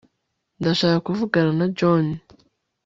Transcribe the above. ndashaka kuvugana na john